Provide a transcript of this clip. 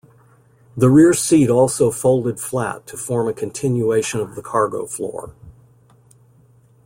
The rear seat also folded flat to form a continuation of the cargo floor.